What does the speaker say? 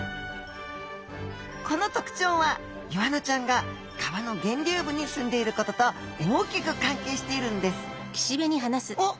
この特徴はイワナちゃんが川の源流部にすんでいることと大きく関係しているんですおっ